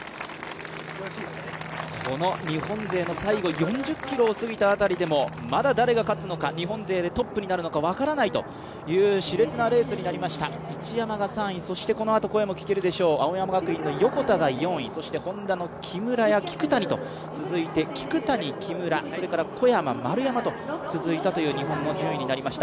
この日本勢の最後４０ｋｍを過ぎたあたりでもまだ誰が勝つのか、日本勢でトップになるのか分からないというしれつなレースになりました、市山が３位そしてこのあと声も聞けるでしょう、青山学院の横田が４位、そしてＨｏｎｄａの木村や聞谷と続いて聞谷、木村、小山、丸山と続いたという日本の順位になりました。